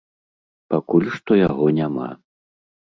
Пакуль што яго няма.